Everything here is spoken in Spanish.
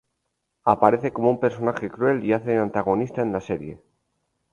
Aparece como un personaje cruel y hace de antagonista en la serie.